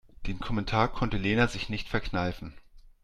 Den Kommentar konnte Lena sich nicht verkneifen.